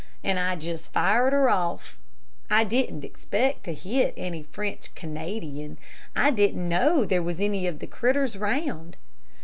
And I just fired her off. I didn't expect to hit any French Canadian; I didn't know there was any of the critters round.